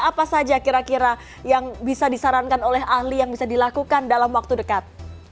apa saja kira kira yang bisa disarankan oleh ahli yang bisa dilakukan dalam waktu dekat